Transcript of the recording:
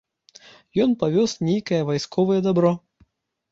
Ён павёз нейкае вайсковае дабро.